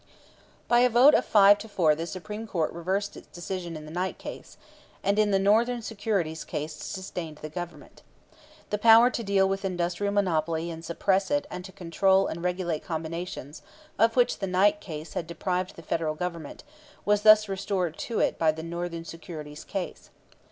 By a vote of five to four the Supreme Court reversed its decision in the Knight case, and in the Northern Securities case sustained the Government. The power to deal with industrial monopoly and suppress it and to control and regulate combinations, of which the Knight case had deprived the Federal Government, was thus restored to it by the Northern Securities case.